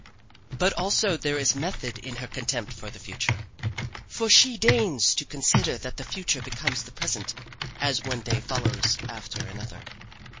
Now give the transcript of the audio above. But also there is method in her contempt for the future. For she deigns to consider that the future becomes the present, as one day follows after another.